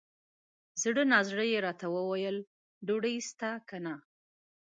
زړه نا زړه یې راته وویل ! ډوډۍ سته که نه؟